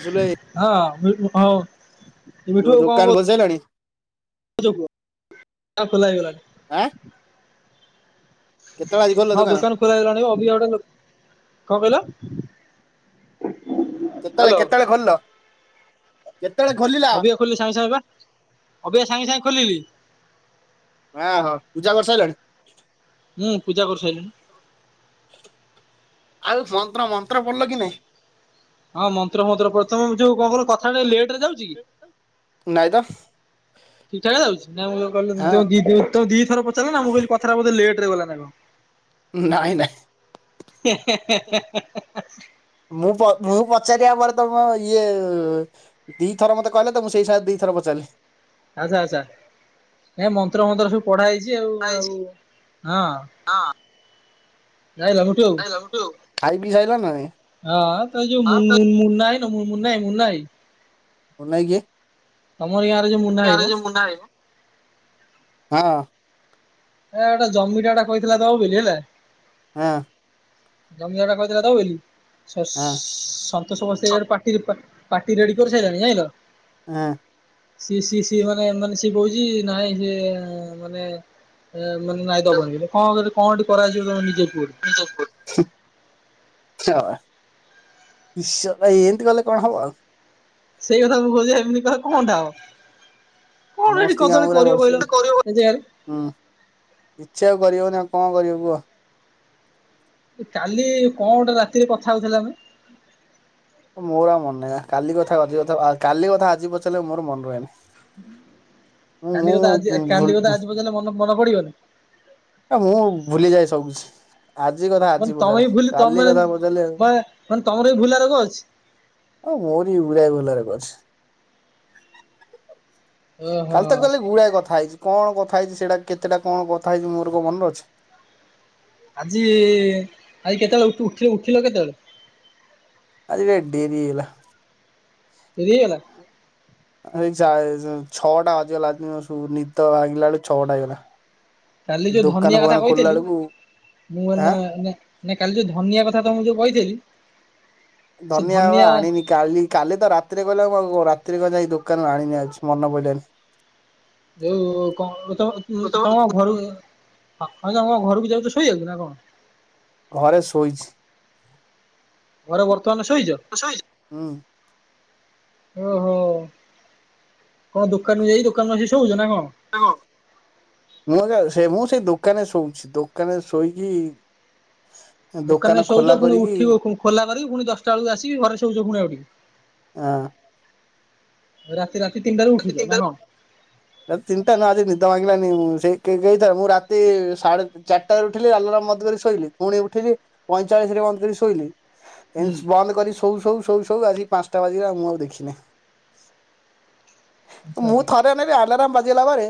ଆସିଲେ ହଁ ହଉ। ତୋ ଦୋକାନ ଖସେଇଲାଣି ଲା ଆଁ କେତେବେଳେ ଆଜି ଖୋଲିଲ ହଁ ଦୋକାନ ଦୁୋକାନ ହେଲାଣି ଅବିକ [inaudible] କଣ କହିଲ କେତେବେଳେ ହ୍ୟାଲୋ କେତେବେଳେ ଖୋଲିଲ କେତେବେଳେ ଖୋଲିଲ? ଅବିକା ଖୋଲିଲି ସାଙ୍ଗେ ସାଙ୍ଗେ ପା ଅବିକା ସାଙ୍ଗେ ସାଙ୍ଗେ ଖୋଲିଲି। ହ ହୋ ପୂଜା କରିସାରିଲନି। ହଁ ପୂଜା କରିସାଇଲିଣି। ଆଉ ମନ୍ତ୍ର ମନ୍ତ୍ର ପଡିଲ କି ନାଇଁ? ହଁ ମନ୍ତ୍ର ମନ୍ତ୍ର ପ୍ରଥମେ ଯୋଉ କଣ କଣ କଥା ଟେ ଲେଟ ରେ ଯାଉଛି କି! ନାଇ ତ। ଠିକ ଠାକରେ ଯାଉଛି ନା ମୁଁ କହିଲ ହଁ ତମେ ଦି ଥର ପଚାରିଲ ନା ମୁଁ କହିଲି କଥାଟା ବୋଧେ ଲେଟ ରେ ଗଲା ନା କଣ? ନାଇଁ ନାଇଁ। ମୁଁ ମୁଁ ପଚାରିବା ପରେ ତମ ଇଏ। ଦି ଥର ମୋତେ କହିଲ ତ ମୁଁ ସେଇ ସକାଶେ ଦିଥର ପଚାରିଲି। ଆଚ୍ଛା ଆଚ୍ଛା ନାଇ ମ। ତନ୍ତ୍ର ମନ୍ତ୍ର ସବୁ ପଢା ହେଇଛି ଆଉ ଆଉ ହଁ ଯାଇଁଲ। ହଁ ଖାଇ ପିଇ ସାଇଲ ନା ନାଇଁ ତ ଯୋଉ ମୁନ ମୁନ ମୁନା। ଇଁ ମୁଁ ମୁନା ଆଇ ମୁନା ଆଇ। ମୁନା ଭାଇ କିଏ ତମରି ଗାଁରେ ଯୋଉ ମୁନା ଭାଇ ମ [inaudible] ଯୋଉ ମୁନ୍ନା ଆଇ। ଏ ଗୋଟା ଜମିଟା ଏଟା କହିଥିଲା ଦବ ବୋଲି ହେଲା। ହଁ ଜମିଦାର ଟା କହିଥିଲା ଦବ ବୋଲି ସ ସ ହଁ ସ ତ ସମସ୍ତେ ଏଟି ପାଟି ରେଡି କରିସାରିଲଣି ଯାଇଲ ସିଏ ସିଏ ସି ମାନେ ମାନେ ସିଏ ବହୁଛି ନହିଁ ସିଏ ମାନେ ଏ ମାନେ ନାଇଁଦବନି କଣ କେମତି କନ କରାଯିବ ତମେ ନିଜେ କୁହ। ହ ଏମିତି ଗଲେ କଣ ହବ ଆଉ ସେଇ କଥା ମୁଁ କହୁଚି ଏମିତି କଲେ କଣଟା ହବ କଣ ଆଉ ସେଇଠି ମସ୍ତି କାମ କଦଲି ଗୁରା କରିବ କରୁଛି କହିଲ ଏ ଜାଗାରେ ହୁଁ କିଛି ଆଉ କରିହବନି ଆଉ କଣ କରିବ କୁହ? କାଲି କଣ ଗୋଟେ ରାତିରେ କଥା ହଉଥିଲା ଆମେ ମୋର ଆ ମନେହିଁ କାଲି କଥା କ କାଲି କଥା ଆଜି ପଚାରିଲେ ମୋର ମନେ ରୁହେନି ହୁଁ କାଲି କଥା ଆଜି କାଲି କଥା ଆଜି ପଚାରିଲେ ମନେ ପଡିବନି ଆ ମୁଁ ଭୁଲିଯାଏ ସବୁ କିଛି। ଆଜି କଥା ମାନେ ଆଜି ତମେ ପଚାର ବି ଭୁଲି କାଲି ତମେ କଥା ବଚାରିଲେ ବା ମାନେ ତମର ବି ଭୁଲା ରୋଗ ଅଛି ଆଉ ମୋରି ଉଡା ଗୁଲାରେ କରିଛି। ଓହୋ କାଲି ତ ଗଲେ ଗୁଡାଏ କଥା ହେଇଛି କଣ କଥା ହେଇଛି ସେଇଟା କେତେଟା କଣ କଥା ହେଇଛି ମୋର ମନରେ ଅଛି। ଆଜି ଆଜି କେତେବେଳେ ଉଠ ଉଠିଲ ଉଠିଲ କେତେବେଳେ? ଆଜି ଟିକେ ଡେରି ହେଇଗଲା। ଡେରି ହେଇଗଲା ସେଇ ଛଅଟା ବାଜିଗଲା ନିଦ ଭାଗିଲା ବେଳକୁ ଛଅଟା ହେଇଗଲା। କାଲି ଯୋଉ ଦୋକାନ ଧନିଆ କଥା ଫୋକାନ ଖୋଲିଲା କହିଥିଲି ବେଳକୁ ମୁଁ ମ ଆଁ ନାଇଁ କାଲି ଯଉ ଧନିଆ କଥା ତ ମୁଁ ଯୋଉ କହିଥିଲି। ଧନିଆ ‌ଆଉ ଆଣିନି। କାଲି କାଲି ତ ରାତିରେକହିଲ ମୁଁ ଆଉ ରାତିରେ ଯାଇ ଦୋକାନରୁ ଆଣିନି ଆ ଅଛି ମନ ପଡିଲଣି। ଯଉ ତମ ଘର ହ ତମ ଘରକୁ ଯାଉଛ ଶୋଇବାକୁ ନା କଣ? ଘରେ ଶୋଇଛି। ଘରେ ବର୍ତ୍ତମାନ ଶୋଇଚ। [unintelligible] ଓ ହୋ। କଣ ଦୋକାନରୁ ଯାଇ ଦୋକାନରୁ ଆସି ଶୋଉଛ ନା କଣ? [unintelligible] ମୁଁ ନା ମୁଁ ସେଇ ଦୋକାନରେ ଶୋଉଛି ଦୋକାନରେ ଶୋଇକି ଦୋକାନ ଦୋକାନରେ ଶୋଉଚ ଖୋଲା ପୁଣି କରିକି ଉଠିବ ଖୁଁ ଖୋଲା କରିକି ପୁଣି ଦଶଟା ବେଳକୁ ଆସିକି ଘରେ ଶୋଉଛ ପୁଣି ଆଉଠି। ଆଁ। ରାତି ରାତି ତିନିଟାରୁ ଉଠୁଛ ନା କଣ? ତିନିଟା ନୁହ ଆଜି ନିଦ ମାଗିଲାନି ସେଇ କେଇତା ମୁଁ ରାତି ସାଢେ ଚା ଟାରେ ଉଠିଲି ଆଲରାମ ବନ୍ଦ କରି ଶୋଇଲି ପୁଣି ଉଠିଲି ପଁଚାଳିଶ ରେ ବନ୍ଦ କରି ଶୋଇଲି। ହୁଁ ଏନ୍ତି ବନ୍ଦ କରି ଶୋଉ ଶୋଉ ଶୋଉ ଆଜି ପାଞ୍ଚଟା ବାଜିଲା ମୁଁ ଆଉ ଦେଖିନାଇଁ। ଆଚ୍ଛା ମୁଁ ଆଚ୍ଛା ଥରେ ଆନେଇଲୁ ଆଲାରାମ ବାଜିଗଲା ପରେ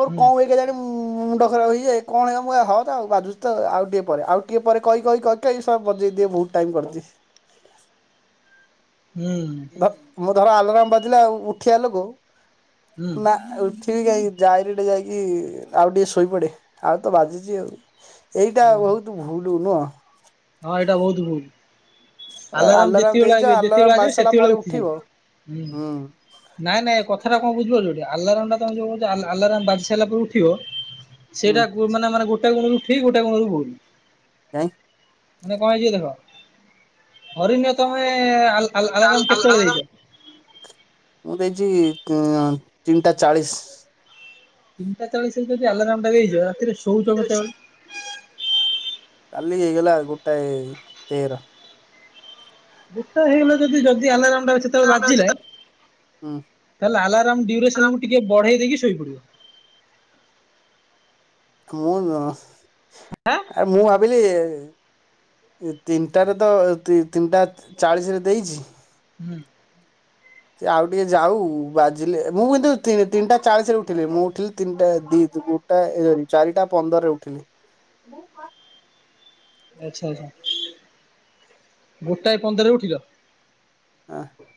ମୋର ହୁଁ କଣ ହୁଏ କେଜାଣି ଉଁ ଉଁ ମୁଣ୍ଡ ଖରାପ ହେଇଯାଏ କଣ ହେ ମୁଁ ହଉ ଥାଉ ବାଜୁଛି ତ ଆଉ ଟିକେ ପରେ ଆଉ ଟିକେ ପରେ କହି କହି ଏଇ ସା ବଜେଇ ଦିଏ ବହୁତ ଟାଇମ୍ [unintelligible] ହୁଁ। ଧ ମୁଁ ଧର ଆଲାରାମ ବାଜିଲା ଆ ଉଠିଆ ଲୋକ ହୁଁ ନା ଉଠ ଉଠିବି କାଇଁକି ଯାଇରେକ୍ଟ ଯାଇକି ଆଉ ଟିକେ ଶୋଇପଡେ ଆଉ ତ ବାଜିଚି ଆଉ। ଏଇଟା ଓହୋ ବହୁତୁ ଭୁଲୁ ନୁଅ। ହଁ ଏଇଟା ବହୁତୁ ଭୁଲ। ଆଲାରମ ଆଲାରାମ ଯେତେବେଳେ ଦେଇଛ ଆଲାରାମ ଯେତେବେଳେ ଆଜିବ ବାଜି ସାରିଲା ସେତବେଳେ ପରେ ଉଠିବୁ ଉଠିବ। ହୁଁ। ହୁଁ ନାଇଁ ନାଇଁ କଥାଟା କଣ ବୁଝିପାରୁଚୁ ଟି ଯୋଉ ଆଲାରମ୍ ଟା ତମେ ଯୋଉ ହଉଚି ଆଲାରମ୍ ବାଜି ସାରିଲା ପରେ ଉଠିବ ହୁଁ ସେଇଟା ମାନେ ମାନେ ଗୋଟା ଗୁଣରୁ ଠିକ ଗୋଟା ଗୁଣରୁ ଭୁଲ। କାଇଁ? ମାନେ କଣ ହେଇଚି ଦେଖ ଧାରିନିଅ ତମେ ଆ ଆଲାରାମ କେତେବେଳେ ଦେଇଛ? ମୁଁ ଦେଇଛି ଉଁ ତିନିଟା ଚାଳିଶ। ତିନିଟା ଚାଳିଶ ରେ ଯଦି ଆଲାରାମ୍ ଟା ଦେଇଚ ରାତିରେ ଶୋଉଚ କେତେବେଳେ? କାଲି ହେଇଗଲା ଗୋଟାଏ ତେର। ଗୋଟାଏ ହେଇଗଲା ଯଦି ଯଦି ଆଲାରାମ ଟା ବାଜି ଯେତେବେଳେ ବାଜିଲା ହୁଁ ତାହେଲେ ଆଲାର୍ମ ଡ୍ୟୁରେସନକୁୁ ଟିକେ ବଢେଇ ଦେଇକି ଶୋଇପଡିବ। ମୁଁ ନୂଅ ଏ ମୁଁ ଆ ଭାବିଲି ତିନିଟାରେ ତ ତିନିଟା ଚାଳିଶ ରେ ଦେଇଚି ହୁଁ। ସେ ଆଉ ଟିକେ ଯାଉ ବାଜିଲେ ମୁଁ କିନ୍ତୁ ତିନିଟା ଚାଳିଶରେ ଉଠିଲି ମୁଁ ଉଠିଲି ତିନିଟା ଦି ଦ୍ ମୁ ଟା ଚାରିଟା ପନ୍ଦରରେ ଉଠିଲି। ଆଛା ଆଛା ଗୋଟାଏ ପନ୍ଦରରେ ଉଠିଲ? ଆଁ।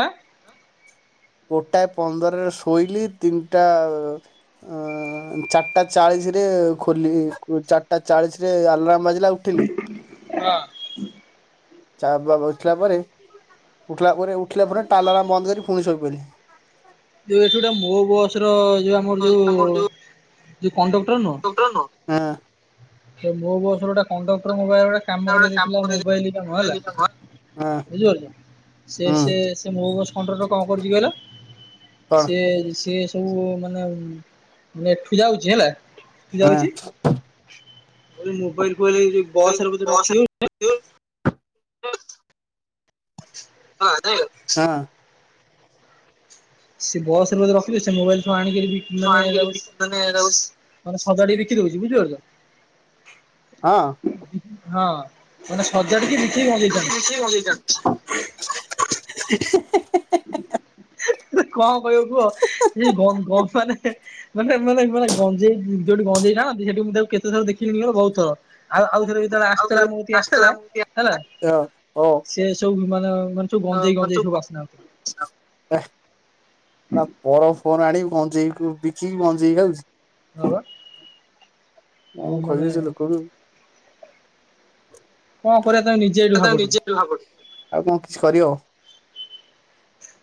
ଆଁ। ଗୋଟାଏ ପନ୍ଦରରେ ଶୋଇଲି ତିନିଟା ଆ ଆଁ ଚାରିଟା ଚାଳିଶରେ ଖୋଲି ଚାରିଟା ଚାଳିଶରେ ଆଲାର୍ମ୍ ବାଜିଲା ଉଠିଲି। [unintelligible] ଚା ବ ଉଠିଲା ପରେ ଉଠିଲା ପରେ ଉଠିଲା ପରେ ଟା ଲାରାମ ବନ୍ଦ କରି ପୁଣି ଶୋଇପଇଲି। ଯୋଉ ଏଠି ଗୋଟା ମୋ ବସ ର ଯୋଉ ଆମର ଯୋଉ ଯିଏ କଣ୍ଡକ୍ଟର ନୁଅ ହଁ ସେ ମୋ ବସର ଟା କଣ୍ଡକ୍ଟର ମୋ ପାଇଁ ଗୋଟେ କାମ କରେଇ ଦେଇଥିଲା ମୋବାଇଲ କାମ ହେଲା ହଁ ବୁଝିପାରୁଛ ସେ ହୁଁ ସେ ସେ ମୋ ବସ୍ କଣ୍ଡକ୍ଟର କଣ କରୁଚି କହିଲ? କଣ ସେ ସେ ସବୁ ମାନେ ନେଠୁ ଯାଉଛି ହେଲା। ହଁ ଯାଉଚି ମୋବାଇଲ ଫୋବାଇଲ ଯୋଉ ବସରେ ବୋଧେ ରଖି ଦଉ [unintelligible] ହଁ ଯାଇଁଲ ହଁ। ସେ ବସ ରେ ବୋଧେ ରଖିଲେ ସେ ମୋବାଇଲୁ ଆଣିକ ମାନେ ତାକୁ ମାନେ ସଜାଡ ବିକି ଦଉଛି। ବୁଝିପାରୁଛ? ହଁ। ହଁ ମାନେ ଶଯାଡିକି ବିକି ଦେଖ ଭ [unintelligible] କଣ କହିବ କୁହ ସେଇ ଗନ ଗ ମାନେ ମାନେ ମାନେ ମାନେ ଗଞ୍ଜେଇ ଯଉିଠି ଗଞ୍ଜେଇ ଟାଣନ୍ତି ସେଠି ମୁଁ ତାକୁ କେତେଥର ଦେଖିଥିଲ ଗ ବହୁତ ଥର। ଆଉ ଆଉଥରେ ଯେତେବେଳେ ଆସିଥିଲା ମୋ ଠିକି ଆସିଥିଲା ହେଲା ହଁ ଓ ସେ ସବୁ ମାନେ ସବୁ ଗଞ୍ଜେଇ ଗଞ୍ଜେଇ ବାସ୍ନା ହଉଥିଲା ପୁରା ପର ଫୋନ ଆଣିକି ଗଂଜେଇ କୁ ବିକି ଗଂଜେଇ ଖାଉଛି। ହପା। ମୁଁ କହିବି ଲୋକ କୁ। କଣ କରିବା ତମେ ନିଜେ ଏଇଠୁ ଭାବ ଟିକେ ନିଜେ ବି ଭାବୁ ଆଉ କଣ କିଛି କରିହବ।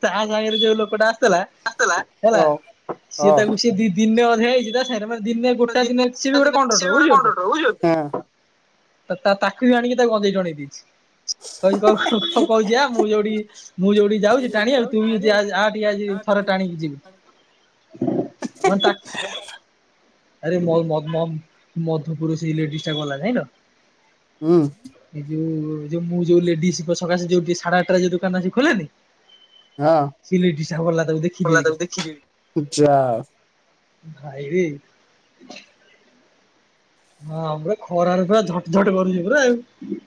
ତା ସାଙ୍ଗରେ ଯୋଉ ଲୋକଟା ଆସିଥିଲା ହ ହେଲା ହ ସିଏ ତାକୁ ସିଏ ଦି ଦିନେ ଅଧେ ଆଇଛି ତା ସାଙ୍ଗରେ ମାନେ ଦିନେ ଗୋଟା ଦିନେ ଅଛି ସେ ବି ଗୋଟେ କଣ୍ଡକ୍ଟର, ବୁଝିପାରୁଛ। ହଁ ତା ତାକୁ ବି ଆଣିକି ତାକୁ ଗଂଜେଇ ଟାଣେଇ ଦେଇଛି। କ କ କ କହୁଛି ଆ ମୁଁ ଯୋଉଠି ମୁଁ ଯୋଉଠି ଯାଉଛି ଟାଣିବାକୁ ତୁ ବି ଯ ଆ ଟିକେ ଆଜି ଥରେ ଟାଣିକି ଯିବୁ। ମଁ ତା ଆରେ ମ ମ ମ ମ ମଧୁପୁର ସେ ଲେଡିସ୍ ଟା ଗଲା ଜାଣିଲ। ହୁଁ। ଏଇ ଯଉ ଯଉ ମୁଁ ଯୋଉ ଲେଡିସ ସକାଶେ ଯୋଉେ ସାଢେ ଆଠଟା ଯୋଉ ଦୋକାନ ଖୋଲୀଲାନି। ହଁ ସିଏ ଲେଡୀସ ଟା ଗଲା ତାକୁ ଦେଖିକରି। ଯା ଭାଇ ରେ। ହଁ ପୁରା ଖରାରେ ପୁରା ଝଟ ଝଟ କରୁଛି ପୁର ଆଉ।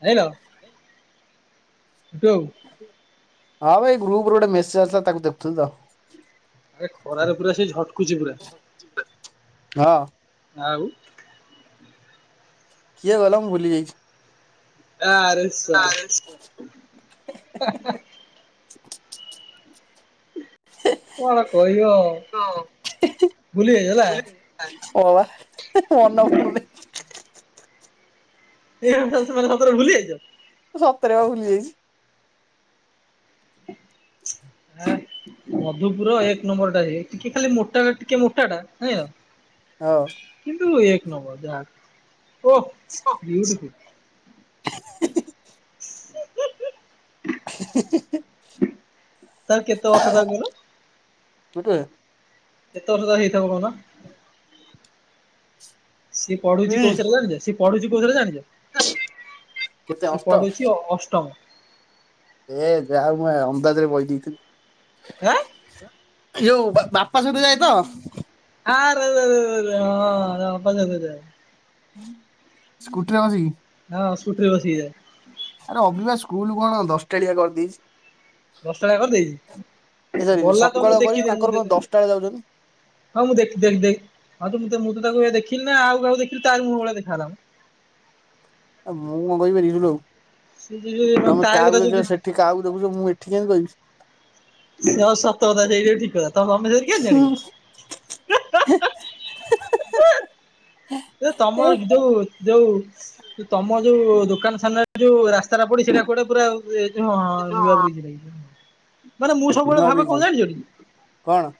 ଜାଣିଲ ହେଇଠୁ ଆଉ। ହଁ ଭାଇ ଗ୍ରୁପ ରେ ଗୋଟେ ମେସେଜ ଆସିଥିଲା ତାକୁ ଦେଖୁଥିଲି ତ। ଆରେ ଖରାରେ ପୁରା ସେ ଝଟକୁଛି ପୁରା ହଁ। ଆଉ। କିଏ କହିଲ ମୁ ଭୁଲିଯାଇଛି। ଆ ଆରେ! ! ! କଣ କହିବ ଭୁଲି ଯାଇଛ ନା? [inaudible] ହବା ମନ [inaudible] ଏ ସେମାନେ ସତରେ ଭୁଲିଯାଇଛ? ସତରେ ବା ଭୁଲିଯାଇଛି। ହଁ ମଧୁପୁର ଏକ ନମ୍ବର ଟା ଅ, ଟିକେ ଖାଲି ମୋଟା ଟିକେ ମୋଟା ଟା ନାଇ ଆଉ। ହଉ‌। କିନ୍ତୁ ଏକ ନମ୍ବର ଯାହା ବି ହଉ, ଓହ ବିଉଟିଫୁଲ୍। [unintelligible] ହେ ହେ ହେ। ତାର କେତେ ବର୍ଷ ତାର କହିଲ? [unintelligible] କେତେ ବର୍ଷ ତାକୁ ହେଇଥିବ କହ ତ ସି ପଢୁଛି କଉ ଥିରେ ଜାଣିଛ? ସିଏ ପଢୁଛି କଉ ଥିରେ ଜାଣିଛ? କେତେ ସିଏ ଅଷ୍ଟ ପଢୁଛି ଅଷ୍ଟମ। ଏ ଯାହାହଉ ମୁଁ ଅନ୍ଦାଜ଼ ରେ କହି ଆଁ ଦେଇଥିଲି। ଯୋଉ ବାପା ସହିତ ଯାଏ ତ। ଆରେ ରେ ରେ ହଁ ତା ବାପା ସହିତ ଯାଏ। ସ୍କୁଟି ରେ ବସିକି। ହଁ ସ୍କୁଟିରେ ବସିକି ଯାଏ। ଆରେ ଅବିବା ସ୍କୁଲ କଣ ଦଶଟାଳିଆ କରିଦେଇଛି? ଦଶଟାଳିଆ କରିଦେଇଛି ଏ ଆଉ ସରି ଗଲା ସକାଳ ତମକୁ କରି ଦେଖି ତାଙ୍କର କଣ ଦଶଟା ବେଳେ ଯାଉଛନ୍ତି ହଉ ମୁଁ ଦେଖ ଦେଖି ଦେଖି ଆଉ ତ ମୁଁ ତ ମୁଁ ତ ତାକୁ ଦେଖିଲି ନା ଆଉ କାହା ଦେଖିଲି ତାରି ମୁହଁ ଭଳିଆ ଦେଖାଗଲା ମ। ଆ ମୁଁ କଣ କହିବି ଦେଇଥିଲୁ ଆଉ ସେ ତମେ ତାରି କାହାକୁ କଥା ଦେଖିଲ ସେଠ କାହାକୁ ଦେଖୁଚ ମୁଁ ଏଠି କେମିତି କହିବି? ହଁ ସତ କଥା ସେଇଟାବି ଠିକ୍ କଥା ତ ମମି ନହିନି କେମିତି ଜାଣିବ? [unintelligible] ଏ ତମ ଯଉ ଯୋଉ ତମ ଯୋଉ ଦୋକାନ ସାମ୍ନାରେ ଯୋଉ ରାସ୍ତାଟା ପଡିଛି ସେଇଟା କୁଆଡେ ପୁରା ଆଉ ହଁ ହଁ ନୂଆ ବ୍ରିଜ୍ [inaudible] ମାନେ ମୁଁ ସବୁବେଳେ ନୂଆ ଭାବେ ବ୍ରିଜ କଣ ଜାଣିଛିି କି? କଣ?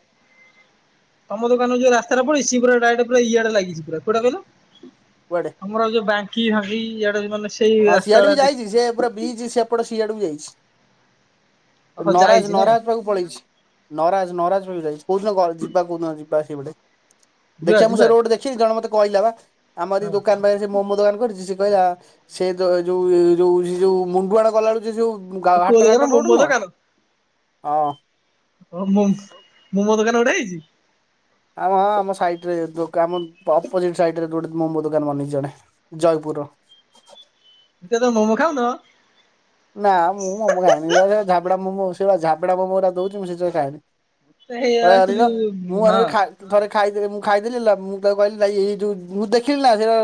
ତମ ଦୋକାନରେ ଯୋଉ ରାସ୍ତାଟା ପଡିଛି ସେ ପୁରା ଡାଇରେକ୍ଟ ଇଆଡେ ଲାଗିଛି ପୁରା କୋଉଟା କହିଲ? କୁଆଡେ? ଆମର ଯୋଉ ବାଙ୍କି ଭାଙ୍ଗି ଇଆଡେ ମାନେ ସେଇ ହଁ ସିଆଡେ ବି ରାସ୍ତାଡା ଦେଖି ଯାଇଛି ସେ ପୁରା ବ୍ରିଜ୍ ସେପଟେ ସିଆଡକୁ ଯାଇଛି ହଁ ନରାଜ୍ ଯାଇଛି ନା ନରାଜ୍ ପାଖକୁ ପଳେଇଛି। ନରାଜ୍ ନରାଜ୍ ପାଖ ଯାଇଛି କୋଉଦିନ ଯିବା କୋଉଦିନ ଯିବା ସେଇପଟେ? ଯିବା ଦେଖିବା ମୁଁ ସେ ଯିବା ରୋଡ୍ ଦେଖିଛି ଜଣେ ମତେ କହିଲା ବା ଆମର ଏଇ ହଁ ଦୋକାନ ପାଖ ରେ ସେ ମୋମୋ ଦୋକାନ କରିଛି ସେ କହିଲା ସେ ତ ଯୋଉ ଯୋଉ ସେ ଯୋଉ ମୁଣ୍ଡୁଆଳ ଗଲା ବେଳୁ ସେ ଯୋଉ କୋଉ ଘାଟ ଦୋକାନ ଘାଟ ମୋମୋ ରୋଡ ନୁହଁ? ଦୋକାନ ହଁ। ହ ମୋ ମୋମୋ ଦୋକାନ ଗୋଟେ ହେଇଛି? ଆମ ହଁ ଆମ ସାଇଡ ରେ ଆମ ଅପଜିଟ ସାଇଡ ରେ ଗୋଟେ ମୋମୋ ଦୋକାନ ବନେଇଛି ଜଣେ। ଜୟପୁର। ତେ ତ ମୋମୋ ଖାଉନ? ନା ମୁଁ ମୋମୋ ଖାଏନି, ଇଏ ସେ ଝାବଡା ମୋମୋ ସେ ପା ଝାବଡା ମୋମୋଉରା ଦଉଚୁ, ମୁଁ ସେ ସକା ଖାଏନି। ପାରିଲ ଆଚ୍ଛା ମୁଁ ଆଣିକି ଖାଇ ତ ଥରେ ଖାଇଥିଲି, ମୁଁ ଖାଇଥିଲି ନା ମୁଁ ତାକୁ କହିଲି ଯା ଏଇ ଯୋଉ, ମୁଁ ଦେଖିଲି ନା ସେଇଟା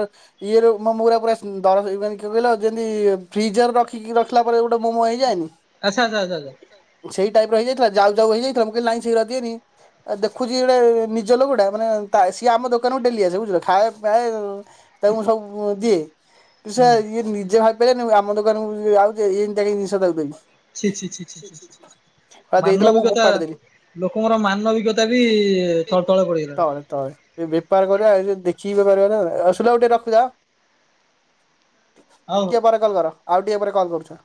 ଇଏ ର ମୋ ମୁରା ପୁରା ଉଁ, ଦରଜ ଏଇ ମାନେ କିଏ କହିଲ ଯେମିତି ଫ୍ରିଜ୍ ର ରଖିକି ର ଉଠିଲା ପରେ ଗୋଟେ ମୋମୋ ହେଇଯାଏନି? ଆଚ୍ଛା, ଆଚ୍ଛା, ଆଜା ଆଜା। ସେଇ ଟାଇପ୍ ର ହେଇଯାଇଥିଲା। ଯାଉ ଯାଉ ହେଇଯାଇଥିଲା, ମୁଁ କହିଲି ଲାଇଁ ସେଉରା ଦିଅନି। ଆ ଦେଖୁଚି ଗୋଟେ ନିଜ ଲୋକଟା ମାନେ ତା ସିଏ ଆମ ଦୋକାନକୁ ଡେଲି ଆସେ ବୁଝିଲ ଖାଏ ପାଏ ଉଁ ତାକୁ ମୁଁ ସବୁ ଦିଏ। କିସ ହୁଁ ଇଏ ନିଜେ ହାତରେ ନି ଆମ ଦୋକାନକୁ ସିଏ ଆଉତି ଏମତିଆ ଏଇ ନିଶ ଟାକୁ ଧରି। ଛି ଛି ଛି ଛି ଛି ଛି। ଦେଇଦେଲା ମୁଁ ମାନବିକତା ଫୋପାଡ଼ି ଦେଲି ଲୋକଙ୍କର ମାନବିକତା ବି ତଳ ତଳେ ପଡିଗଲାଣି। ତ ଏ ବେପାର କରିବା ଏ ଯୋଉ ଦେଖିକି ବେପାର କରିବା [unintelligible] ଆଉ ସୁଲା ବୋଉ ଟିକେ ରଖିଦବ। ହଉ ହଉ। ଟିକେ ପରେ କଲ୍ କର, ଆଉ ଟିକେ ପରେ କଲ୍ କରୁଛ।